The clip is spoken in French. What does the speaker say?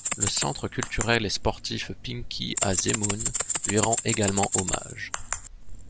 Le Centre culturel et sportif Pinki à Zemun lui rend également hommage.